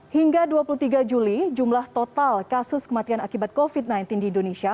hingga dua puluh tiga juli jumlah total kasus kematian akibat covid sembilan belas di indonesia